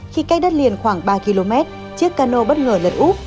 khi cách đất liền khoảng ba km chiếc cano bất ngờ lật úp